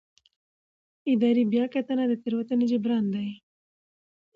اداري بیاکتنه د تېروتنې جبران دی.